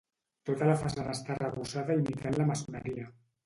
Tota la façana està arrebossada imitant la maçoneria.